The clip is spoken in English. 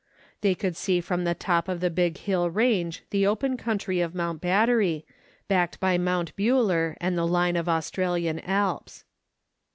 They could see from the top of the Big Hill range the open country of Mount Battery, backed by Mount Buller and the line of Australian Alps.